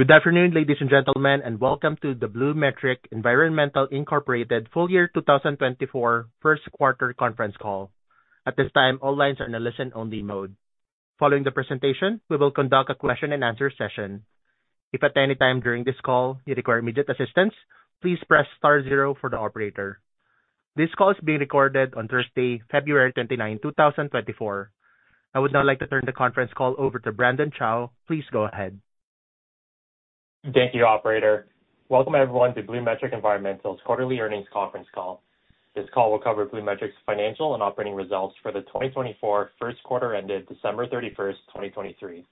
Good afternoon, ladies and gentlemen, and welcome to the BluMetric Environmental Incorporated Full-Year 2024 First Quarter Conference Call. At this time, all lines are in a listen-only mode. Following the presentation, we will conduct a question-and-answer session. If at any time during this call you require immediate assistance, please press star, zero for the operator. This call is being recorded on Thursday, February 29, 2024. I would now like to turn the conference call over to Brandon Chow, please go ahead. Thank you, operator. Welcome everyone to BluMetric Environmental's Quarterly Earnings Conference Call. This call will cover BluMetric's financial and operating results for the 2024 first quarter ended December 31, 2023.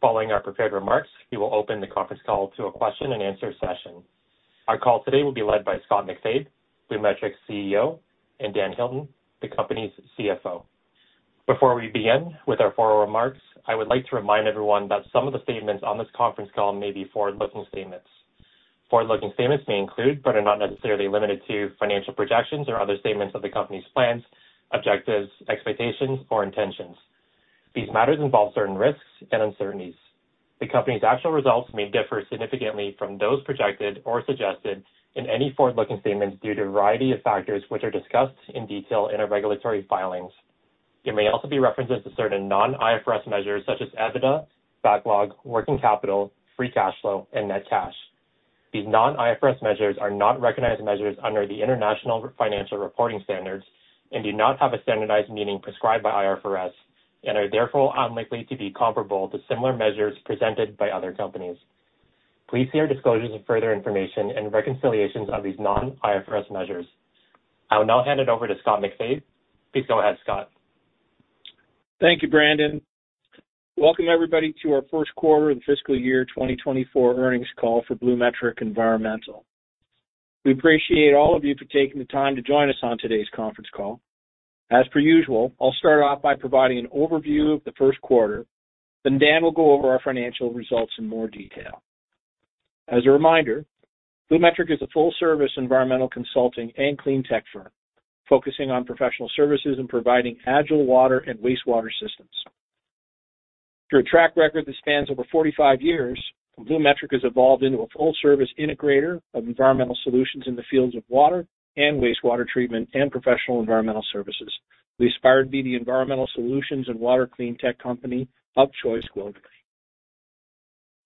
Following our prepared remarks, we will open the conference call to a question-and-answer session. Our call today will be led by Scott MacFabe, BluMetric's CEO, and Dan Hilton, the company's CFO. Before we begin with our forward remarks, I would like to remind everyone that some of the statements on this conference call may be forward-looking statements. Forward-looking statements may include, but are not necessarily limited to financial projections or other statements of the company's plans, objectives, expectations, or intentions. These matters involve certain risks and uncertainties. The company's actual results may differ significantly from those projected, or suggested in any forward-looking statements due to a variety of factors which are discussed in detail in our regulatory filings. It may also be references to certain non-IFRS measures such as EBITDA, backlog, working capital, free cash flow, and net cash. These non-IFRS measures are not recognized measures under the International Financial Reporting Standards and do not have a standardized meaning prescribed by IFRS, and are therefore unlikely to be comparable to similar measures presented by other companies. Please see our disclosures of further information and reconciliations of these non-IFRS measures. I will now hand it over to Scott MacFabe. Please go ahead, Scott. Thank you, Brandon. Welcome, everybody to our First Quarter of the Fiscal Year 2024 Earnings Call for BluMetric Environmental. We appreciate all of you for taking the time to join us on today's conference call. As per usual, I'll start off by providing an overview of the first quarter, then Dan will go over our financial results in more detail. As a reminder, BluMetric is a full-service environmental consulting and clean tech firm, focusing on professional services and providing agile water and wastewater systems. Through a track record that spans over 45 years, BluMetric has evolved into a full-service integrator of environmental solutions in the fields of water and wastewater treatment, and professional environmental services. We aspire to be the environmental solutions and water clean tech company of choice globally.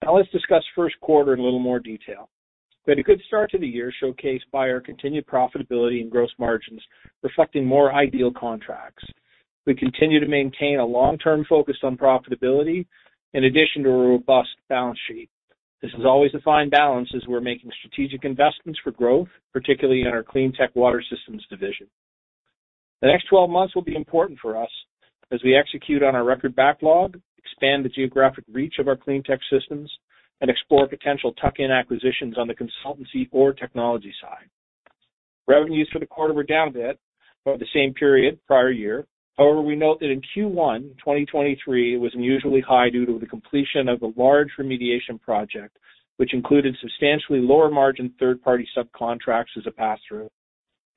Now let's discuss first quarter in a little more detail. We had a good start to the year, showcased by our continued profitability and gross margins reflecting more ideal contracts. We continue to maintain a long-term focus on profitability in addition to a robust balance sheet. This is always the fine balance as we're making strategic investments for growth, particularly in our clean tech water systems division. The next 12 months will be important for us as we execute on our record backlog, expand the geographic reach of our clean tech systems, and explore potential tuck-in acquisitions on the consultancy or technology side. Revenues for the quarter were down a bit over the same period prior year. However, we note that in Q1 2023, it was unusually high due to the completion of a large remediation project, which included substantially lower-margin third-party subcontracts as a pass-through.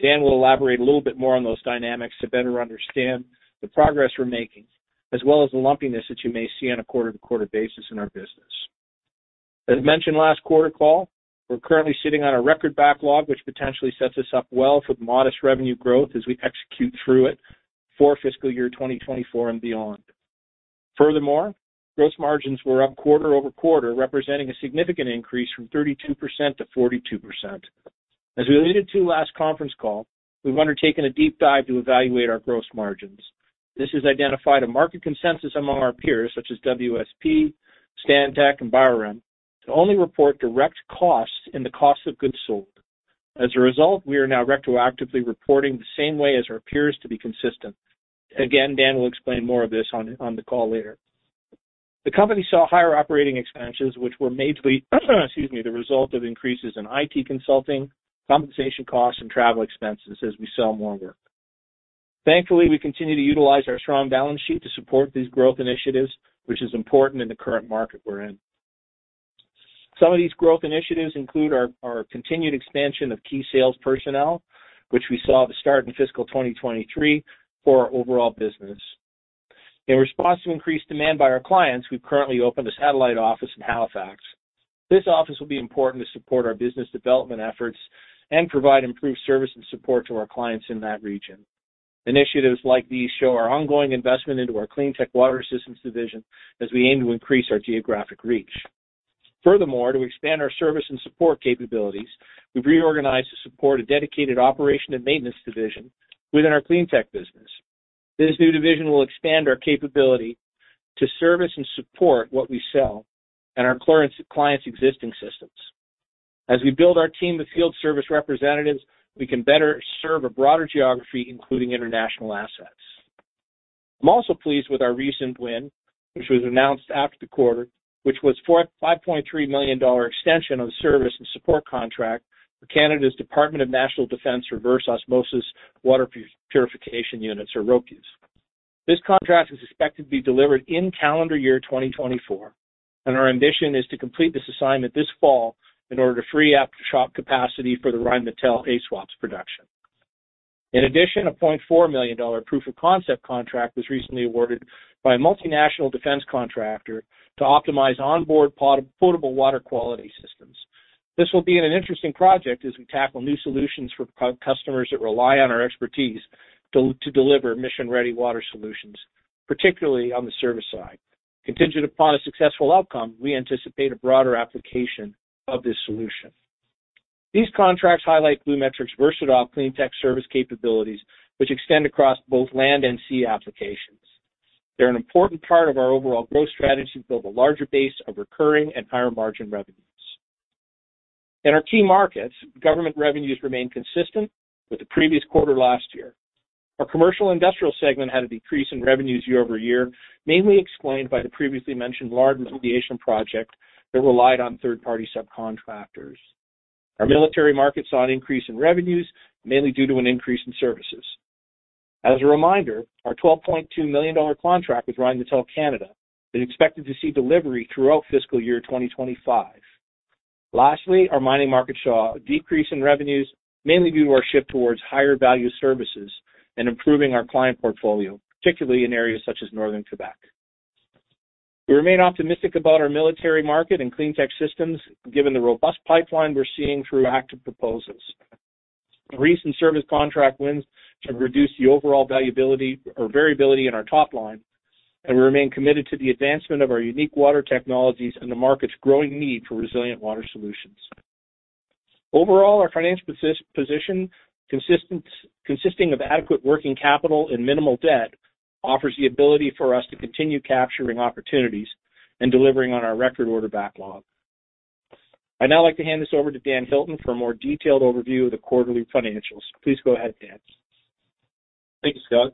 Dan will elaborate a little bit more on those dynamics to better understand the progress we're making, as well as the lumpiness that you may see on a quarter-to-quarter basis in our business. As mentioned last quarter call, we're currently sitting on a record backlog, which potentially sets us up well for the modest revenue growth as we execute through it for fiscal year 2024 and beyond. Furthermore, gross margins were up quarter-over-quarter, representing a significant increase from 32% to 42%. As we alluded to last conference call, we've undertaken a deep dive to evaluate our gross margins. This has identified a market consensus among our peers, such as WSP, Stantec, and BioRem to only report direct costs in the cost of goods sold. As a result, we are now retroactively reporting the same way as our peers to be consistent. Again, Dan will explain more of this on the call later. The company saw higher operating expenses, which were majorly, excuse me, the result of increases in IT consulting, compensation costs, and travel expenses as we sell more work. Thankfully, we continue to utilize our strong balance sheet to support these growth initiatives, which is important in the current market we're in. Some of these growth initiatives include our continued expansion of key sales personnel, which we saw the start in fiscal 2023 for our overall business. In response to increased demand by our clients, we've currently opened a satellite office in Halifax. This office will be important to support our business development efforts, and provide improved service and support to our clients in that region. Initiatives like these show our ongoing investment into our clean tech water systems division, as we aim to increase our geographic reach. Furthermore, to expand our service and support capabilities, we've reorganized to support a dedicated operation and maintenance division within our clean tech business. This new division will expand our capability to service and support what we sell and our clients' existing systems. As we build our team of field service representatives, we can better serve a broader geography, including international assets. I'm also pleased with our recent win, which was announced after the quarter, which was a 5.3 million dollar extension on the service and support contract for Canada's Department of National Defence Reverse Osmosis Water Purification Units, or ROWPUs. This contract is expected to be delivered in calendar year 2024, and our ambition is to complete this assignment this fall in order to free up shop capacity for the Rheinmetall ASUWPS production. In addition, a 0.4 million dollar proof-of-concept contract was recently awarded by a multinational defense contractor to optimize onboard potable water quality systems. This will be an interesting project, as we tackle new solutions for customers that rely on our expertise to deliver mission-ready water solutions, particularly on the service side. Contingent upon a successful outcome, we anticipate a broader application of this solution. These contracts highlight BluMetric's versatile clean tech service capabilities, which extend across both land and sea applications. They're an important part of our overall growth strategy to build a larger base of recurring and higher-margin revenues. In our key markets, government revenues remain consistent with the previous quarter last year. Our commercial-industrial segment had a decrease in revenues year-over-year, mainly explained by the previously mentioned large remediation project that relied on third-party subcontractors. Our military market saw an increase in revenues, mainly due to an increase in services. As a reminder, our 12.2 million dollar contract with Rheinmetall Canada is expected to see delivery throughout fiscal year 2025. Lastly, our mining market saw a decrease in revenues, mainly due to our shift towards higher-value services and improving our client portfolio, particularly in areas such as Northern Quebec. We remain optimistic about our military market and clean tech systems, given the robust pipeline we're seeing through active proposals. Recent service contract wins should reduce the overall variability in our top line, and we remain committed to the advancement of our unique water technologies and the market's growing need for resilient water solutions. Overall, our financial position, consisting of adequate working capital and minimal debt, offers the ability for us to continue capturing opportunities and delivering on our record order backlog. I'd now like to hand this over to Dan Hilton for a more detailed overview of the quarterly financials. Please go ahead, Dan. Thank you, Scott.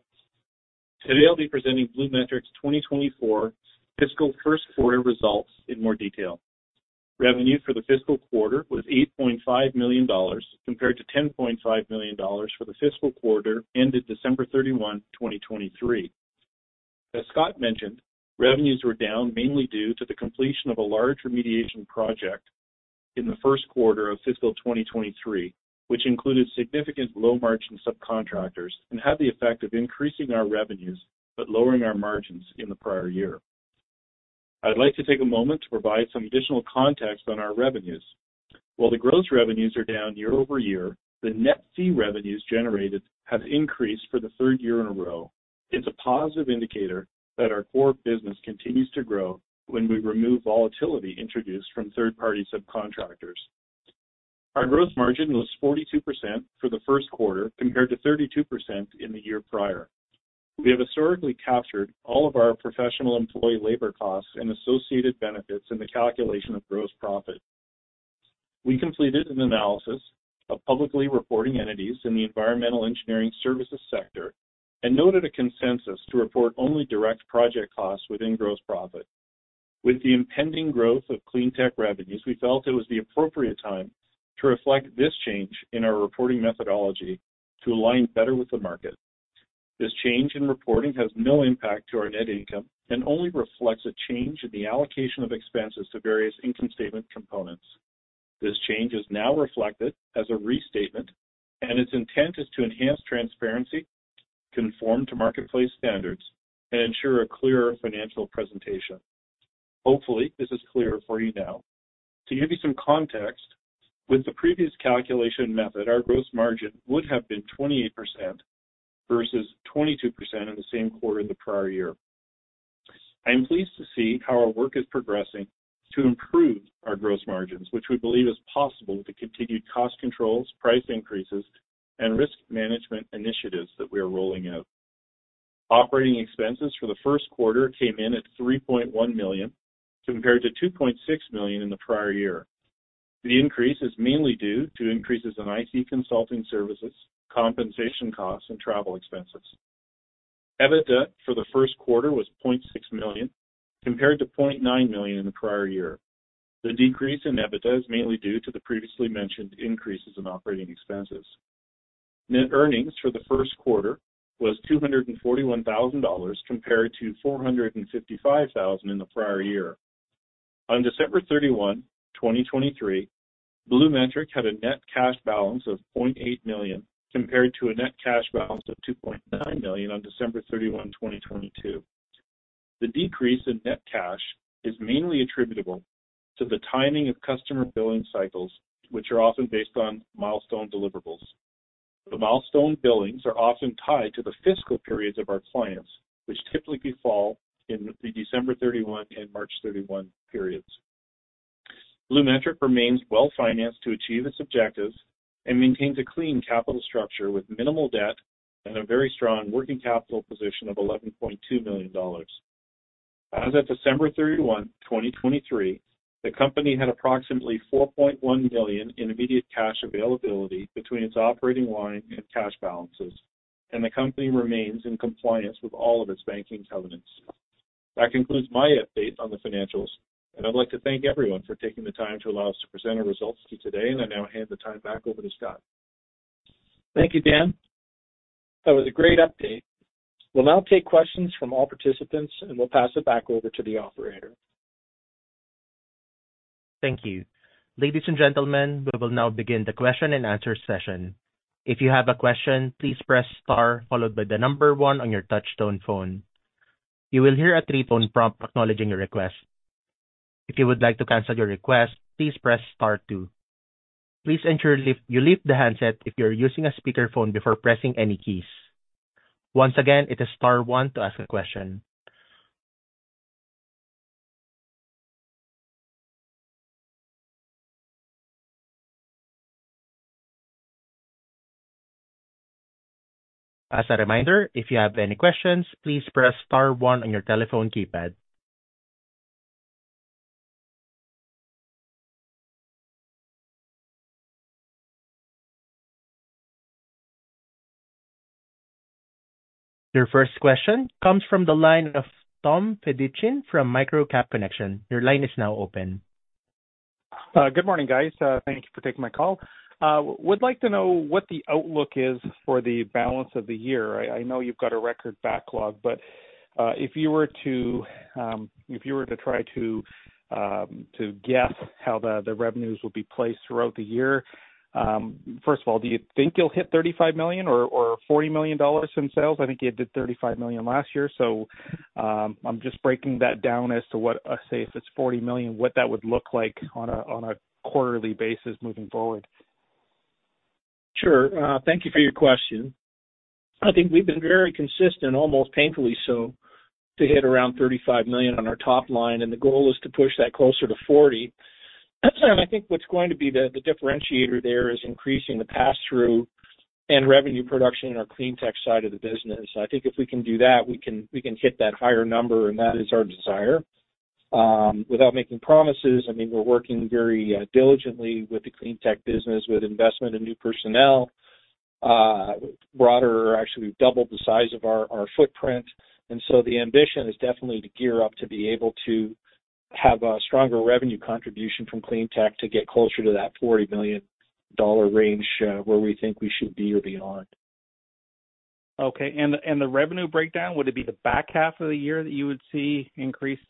Today, I'll be presenting BluMetric's 2024 fiscal first quarter results in more detail. Revenue for the fiscal quarter was 8.5 million dollars, compared to 10.5 million dollars for the fiscal quarter ended December 31, 2023. As Scott mentioned, revenues were down mainly due to the completion of a large remediation project in the first quarter of fiscal 2023, which included significant low-margin subcontractors and had the effect of increasing our revenues, but lowering our margins in the prior year. I'd like to take a moment to provide some additional context on our revenues. While the gross revenues are down year-over-year, the net fee revenues generated have increased for the third year in a row, it's a positive indicator that our core business continues to grow, when we remove volatility introduced from third-party subcontractors. Our gross margin was 42% for the first quarter compared to 32% in the year prior. We have historically captured all of our professional employee labor costs, and associated benefits in the calculation of gross profit. We completed an analysis of publicly reporting entities in the environmental engineering services sector, and noted a consensus to report only direct project costs within gross profit. With the impending growth of clean tech revenues, we felt it was the appropriate time to reflect this change in our reporting methodology to align better with the market. This change in reporting has no impact to our net income, and only reflects a change in the allocation of expenses to various income statement components. This change is now reflected as a restatement, and its intent is to enhance transparency, conform to marketplace standards and ensure a clearer financial presentation. Hopefully, this is clearer for you now. To give you some context, with the previous calculation method, our gross margin would have been 28% versus 22% in the same quarter in the prior year. I am pleased to see how our work is progressing to improve our gross margins, which we believe is possible with the continued cost controls, price increases, and risk management initiatives that we are rolling out. Operating expenses for the first quarter came in at 3.1 million compared to 2.6 million in the prior year. The increase is mainly due to increases in IT consulting services, compensation costs, and travel expenses. EBITDA for the first quarter was 0.6 million compared to 0.9 million in the prior year. The decrease in EBITDA is mainly due to the previously mentioned increases in operating expenses. Net earnings for the first quarter was 241,000 dollars compared to 455,000 in the prior year. On December 31, 2023, BluMetric had a net cash balance of 0.8 million compared to a net cash balance of 2.9 million on December 31, 2022. The decrease in net cash is mainly attributable to the timing of customer billing cycles, which are often based on milestone deliverables. The milestone billings are often tied to the fiscal periods of our clients, which typically fall in the December 31 and March 31 periods. BluMetric remains well-financed to achieve its objectives, and maintains a clean capital structure with minimal debt and a very strong working capital position of 11.2 million dollars. As of December 31, 2023, the company had approximately 4.1 million in immediate cash availability between its operating line and cash balances, and the company remains in compliance with all of its banking covenants. That concludes my update on the financials, and I'd like to thank everyone for taking the time to allow us to present our results to today. I now hand the time back over to Scott. Thank you, Dan. That was a great update. We'll now take questions from all participants, and we'll pass it back over to the operator. Thank you. Ladies and gentlemen, we will now begin the question-and-answer session. If you have a question, please press star followed by the number one on your touch-tone phone. You will hear a three-tone prompt acknowledging your request. If you would like to cancel your request, please press star, two. Please ensure you leave the handset if you're using a speakerphone before pressing any keys. Once again, it is star, one to ask a question. As a reminder, if you have any questions, please press star, one on your telephone keypad. Your first question comes from the line of Tom Fedichin from Micro Cap Connection. Your line is now open. Good morning, guys. Thank you for taking my call. Would like to know what the outlook is for the balance of the year. I know you've got a record backlog, but if you were to try to guess how the revenues would be placed throughout the year, first of all, do you think you'll hit 35 million or 40 million dollars in sales? I think you did 35 million last year, so I'm just breaking that down as to say, if it's 40 million, what that would look like on a quarterly basis moving forward. Sure. Thank you for your question. I think we've been very consistent, almost painfully so, to hit around 35 million on our top line, and the goal is to push that closer to 40 million. I think what's going to be the differentiator there is increasing the pass-through, and revenue production in our clean tech side of the business. I think if we can do that, we can hit that higher number, and that is our desire. Without making promises, I mean, we're working very diligently with the clean tech business, with investment in new personnel. Actually, we've doubled the size of our footprint, and so the ambition is definitely to gear up to be able to have a stronger revenue contribution from clean tech to get closer to that 40 million dollar range where we think we should be or beyond. Okay. The revenue breakdown, would it be the back half of the year that you would see increased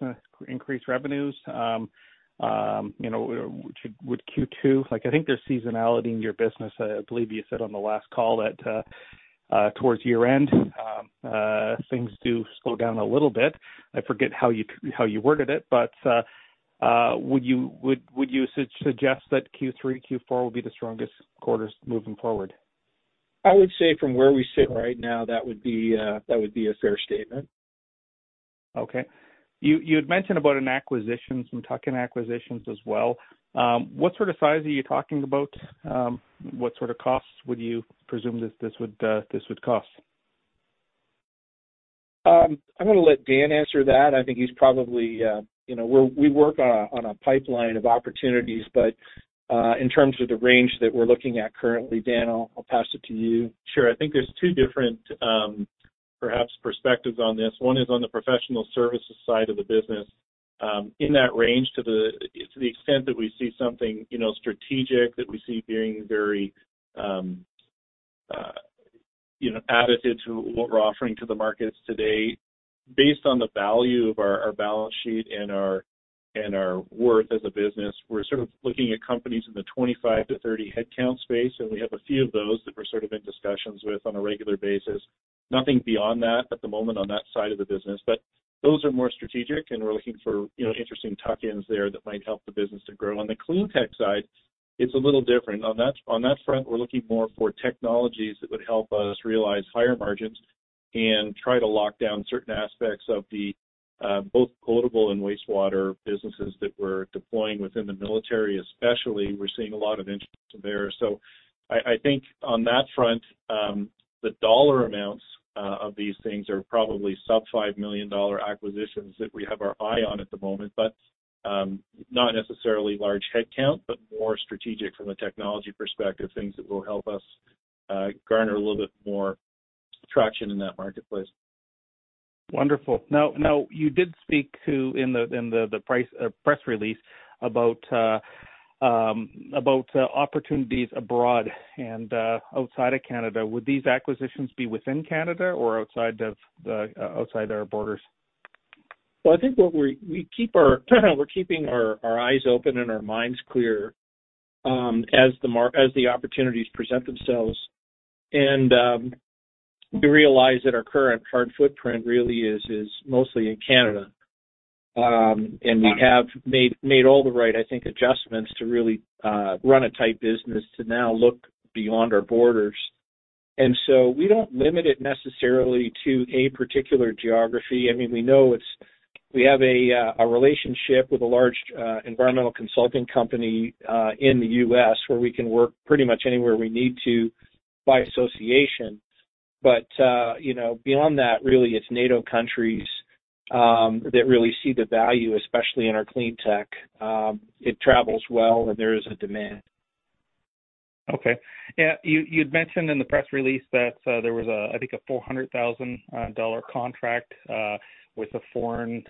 revenues with Q2? I think there's seasonality in your business. I believe you said on the last call that towards year-end, things do slow down a little bit. I forget how you worded it, but would you suggest that Q3, Q4 would be the strongest quarters moving forward? I would say from where we sit right now, that would be a fair statement. Okay. You had mentioned about an acquisition. I'm talking acquisitions as well. What sort of size are you talking about? What sort of costs would you presume this would cost? I'm going to let Dan answer that. I think we work on a pipeline of opportunities, but in terms of the range that we're looking at currently, Dan, I'll pass it to you. Sure. I think there's two different perhaps perspectives on this. One is on the professional services side of the business. In that range, to the extent that we see something strategic that we see being very additive to what we're offering to the markets today, based on the value of our balance sheet and our worth as a business, we're sort of looking at companies in the 25-30 headcount space, and we have a few of those that we're sort of in discussions with on a regular basis. Nothing beyond that at the moment on that side of the business, but those are more strategic and we're looking for interesting tuck-ins there that might help the business to grow. On the clean tech side, it's a little different. On that front, we're looking more for technologies that would help us realize higher margins, and try to lock down certain aspects of both potable and wastewater businesses that we're deploying within the military, especially. We're seeing a lot of interest there. I think on that front, the dollar amounts of these things are probably sub-CAD 5 million acquisitions that we have our eye on at the moment, but not necessarily large headcount, but more strategic from a technology perspective, things that will help us garner a little bit more traction in that marketplace. Wonderful. Now, you did speak in the press release about opportunities abroad and outside of Canada. Would these acquisitions be within Canada or outside their borders? Well, I think we're keeping our eyes open and our minds clear as the opportunities present themselves. We realize that our current hard footprint really is mostly in Canada, and we have made all the right, I think adjustments to really run a tight business to now look beyond our borders. We don't limit it necessarily to a particular geography. I mean, we know we have a relationship with a large environmental consulting company in the U.S., where we can work pretty much anywhere we need to by association. Beyond that really, it's NATO countries that really see the value, especially in our clean tech. It travels well, and there is a demand. Okay. You'd mentioned in the press release that there was I think a CAD 400,000 contract with a foreign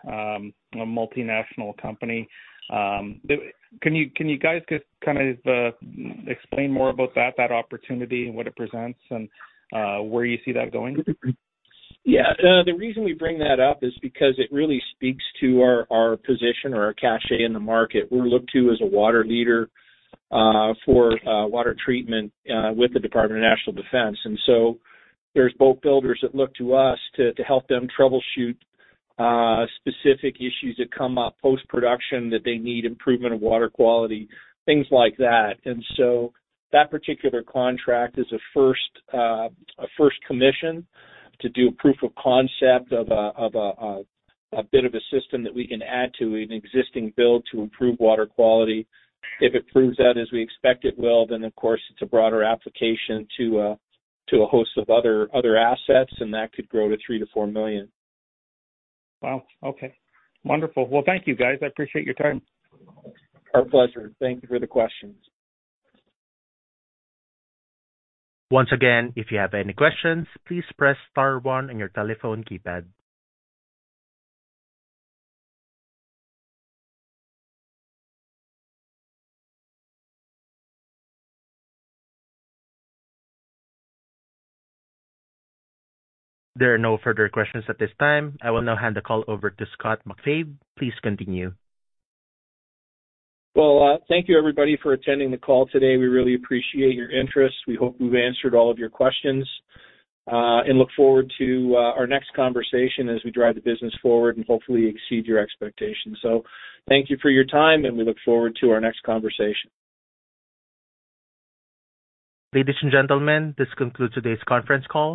multinational company. Can you guys kind of explain more about that opportunity, and what it presents and where you see that going? Yeah. The reason we bring that up, is because it really speaks to our position or our cachet in the market. We're looked to as a water leader for water treatment with the Department of National Defence. There's boat builders that look to us to help them troubleshoot specific issues that come up post-production, that they need improvement of water quality, things like that. That particular contract is a first commission to do a proof of concept of a bit of a system, that we can add to an existing build to improve water quality. If it proves that as we expect it will, then of course it's a broader application to a host of other assets and that could grow to 3 million-4 million. Wow, okay. Wonderful. Well, thank you, guys. I appreciate your time. Our pleasure. Thank you for the questions. Once again, if you have any questions, please press star, one on your telephone keypad. There are no further questions at this time. I will now hand the call over to Scott MacFabe. Please continue. Well, thank you, everybody for attending the call today. We really appreciate your interest. We hope we've answered all of your questions, and look forward to our next conversation as we drive the business forward and hopefully exceed your expectations. Thank you for your time, and we look forward to our next conversation. Ladies and gentlemen, this concludes today's conference call.